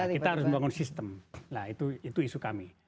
kita harus membangun sistem itu isu kami